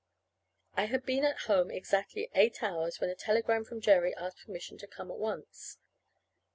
I had been at home exactly eight hours when a telegram from Jerry asked permission to come at once.